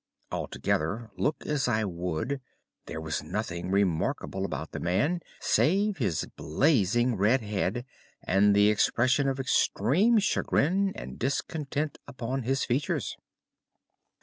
Altogether, look as I would, there was nothing remarkable about the man save his blazing red head, and the expression of extreme chagrin and discontent upon his features.